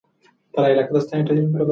ته ولې له ما څخه خپل بېګناه مخ پټوې؟